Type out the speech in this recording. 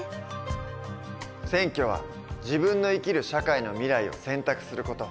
選挙は自分の生きる社会の未来を選択する事。